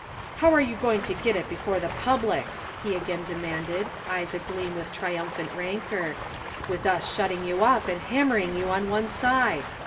"How are you going to git it before the public?" he again demanded, eyes agleam with triumphant rancor "with us shutting you off and hammering you on one side?